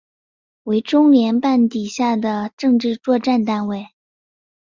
为中联办底下的政治作战单位。